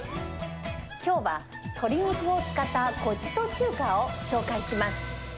きょうは鶏肉を使ったごちそう中華を紹介します。